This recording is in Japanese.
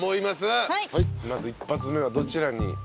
まず一発目はどちらに？